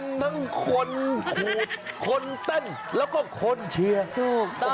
มันทั้งคนขูดคนเต้นแล้วก็คนเชียร์